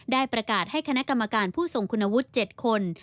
ได้ประกาศให้คณะกรรมการผู้ทรงคุณวุฒิ๗คน